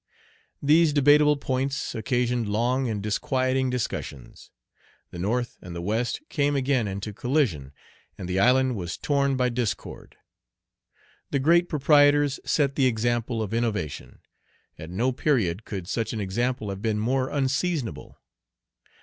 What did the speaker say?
These debatable points occasioned long and disquieting discussions. The North and the West came again into collision, and the island was torn by discord. The great proprietors set the example of innovation. At no period could such an example have been more unseasonable.